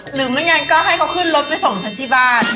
หรือไม่งั้นก็ให้เขาขึ้นรถไปส่งฉันที่บ้าน